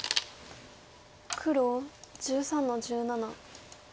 黒１３の十七。